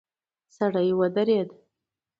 سړی ودرید.